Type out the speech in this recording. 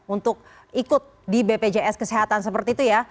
untuk ikut di bpjs kesehatan seperti itu ya